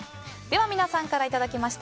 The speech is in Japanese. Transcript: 皆さんからいただきました